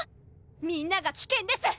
みんなが危険です！